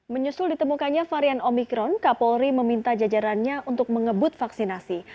menyusul ditemukannya varian omikron kapolri meminta jajarannya untuk mengebut vaksinasi